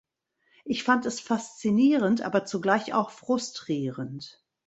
Ich fand es faszinierend, aber zugleich auch frustrierend.